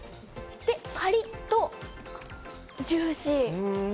で、カリッとジューシー。